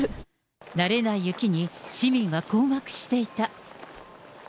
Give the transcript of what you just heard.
慣れない雪に市民は困惑していた。